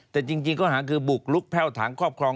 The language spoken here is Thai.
แต่จริงข้อหาคือบุกลุกแพ่วถังครอบครอง